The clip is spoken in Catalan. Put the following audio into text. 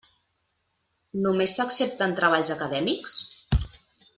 Només s'accepten treballs acadèmics?